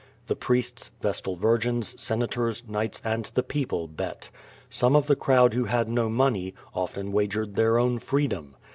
The priests. Vestal Virgins, Sena tors, knights, and the people bet. Some of the crowd who had no money, often wagered their own freedom.